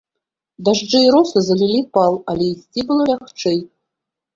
Дажджы і росы залілі пал, але ісці было лягчэй.